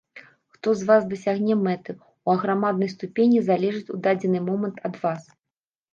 Хто з вас дасягне мэты, у аграмаднай ступені залежыць у дадзены момант ад вас.